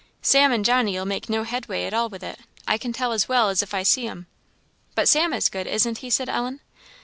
Sam and Johnny'll make no headway at all with it I can tell as well as if I see 'em." "But Sam is good, isn't he?" said Ellen.